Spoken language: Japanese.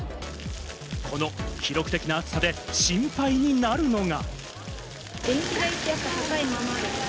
この記録的な暑さで心配になるのが。